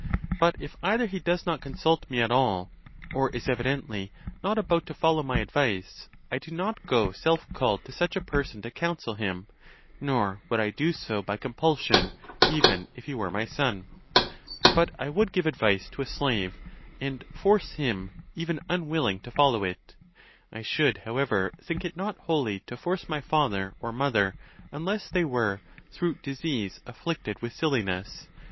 But if either he does not consult me at all, or is evidently not about to follow my advice, I do not go self called to such a person to counsel him, nor would I do so by compulsion, even if he were my son. But I would give advice to a slave, and force him, even unwilling, (to follow it.) I should however think it not holy to force my father or mother, unless they were, through dis ease, afflicted with silliness.